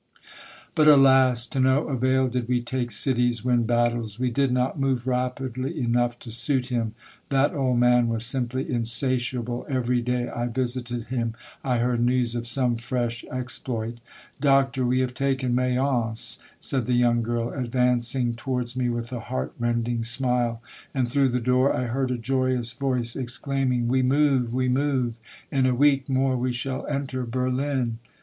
"' But, alas ! to no avail did we take cities, win battles. We did not move rapidly enough to suit him. That old man was simply insatiable. Every day I visited him I heard news of some fresh exploit. "'■ Doctor, we have taken Mayence,' said the young girl, advancing towards me with a heart rending smile, and through the door I heard a joyous voice exclaiming, ' We move ! we move ! in a week more we shall enter Berlin.'